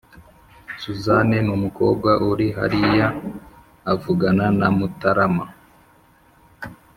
suzanne numukobwa uri hariya avugana na mutarama